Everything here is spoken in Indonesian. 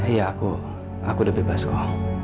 iya aku aku udah bebas kok